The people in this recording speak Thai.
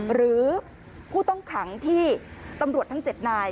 หรือผู้ต้องขังที่ตำรวจทั้ง๗นาย